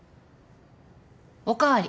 お代わり。